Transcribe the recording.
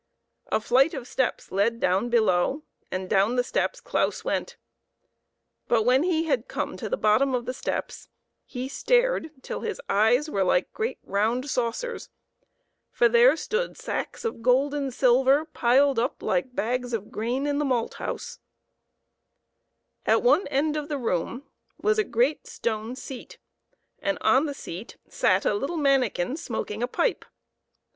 A flight of steps led down below, and down the steps Claus went. But when he had come to the bottom of the steps, he stared till his eyes were like great round saucers; for there stood sacks of gold and silver, piled up like bags of grain in the malt house. 3 20 PEPPER AND SALT. At one end of the room was a great stone seat, and on the seat sat a little manikin smoking a pipe.